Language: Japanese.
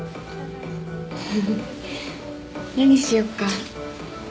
フフ何しよっか？